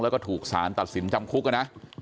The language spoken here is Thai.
แล้วก็ถูกสารตัดสินจำคุกนะ